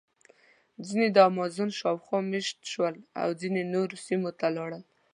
ځینې د امازون شاوخوا مېشت شول او ځینې نورو سیمو ته لاړل.